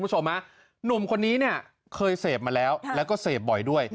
หนุ่มคนนี้เนี่ยเคยเสพมาแล้วแล้วก็เสพบ่อยด้วย